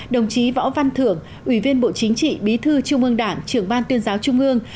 đồng chí võ văn thưởng ủy viên bộ chính trị bí thư trung ương đảng trưởng ban tuyên giáo trung ương